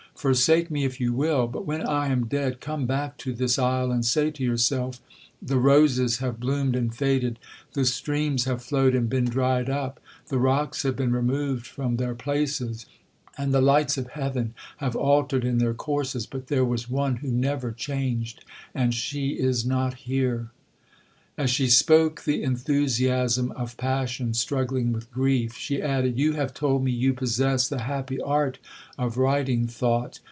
Forsake me if you will, but when I am dead, come back to this isle, and say to yourself, The roses have bloomed and faded—the streams have flowed and been dried up—the rocks have been removed from their places—and the lights of heaven have altered in their courses,—but there was one who never changed, and she is not here!' 'As she spoke the enthusiasm of passion struggling with grief, she added, 'You have told me you possess the happy art of writing thought.